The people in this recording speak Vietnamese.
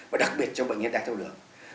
và đặc biệt cho bệnh nhân đại thâu đường